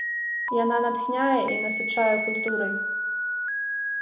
Яна натхняе і насычае культурай.